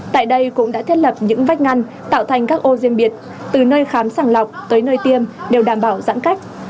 tại đây cũng đã thiết lập những vách ngăn tạo thành các ô riêng biệt từ nơi khám sàng lọc tới nơi tiêm đều đảm bảo giãn cách